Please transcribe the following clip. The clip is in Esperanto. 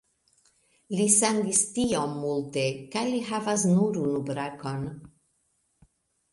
Li sangis tiom multe kaj li havas nur unu brakon.